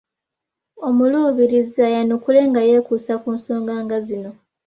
Omuluubirizi ayanukule nga yeekuusa ku nsonga nga zino